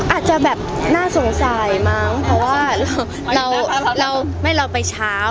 อาจจะแบบน่าสงสัยมั้งเพราะว่าเราไม่เราไปเช้า